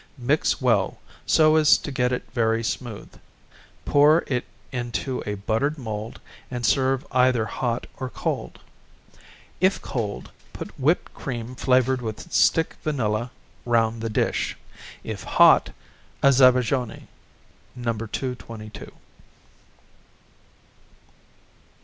Mix well, so as to get it very smooth, pour it into a buttered mould and serve either hot or cold. If cold, put whipped cream flavoured with stick vanilla round the dish; if hot, a Zabajone (No. 222). No.